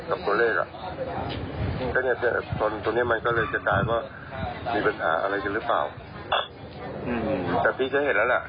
กับตรงเลขล่ะตอนนั้นมันก็เลยจะแปลว่ามีปัญหาอะไรขึ้นหรือเปล่า